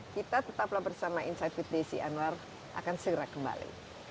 kita tetaplah bersama insight with desi anwar akan segera kembali